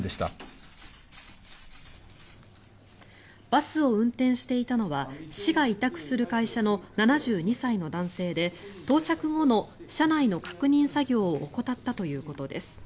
バスを運転していたのは市が委託する会社の７２歳の男性で到着後の車内の確認作業を怠ったということです。